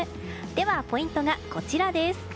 ポイントがこちらです。